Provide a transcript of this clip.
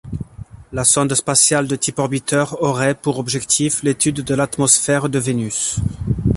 La sonde spatiale de type orbiteur aurait pour objectif l'étude de l'atmosphère de Vénus.